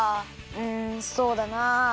うんそうだな。